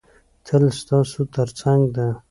تل ستاسو تر څنګ ده.